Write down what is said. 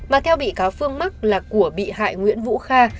mà theo bị cáo phương mắc là của bị hại nguyễn vũ kha